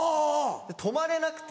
止まれなくて。